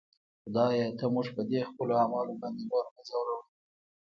خدایه! ته موږ په دې خپلو اعمالو باندې نور مه ځوروه.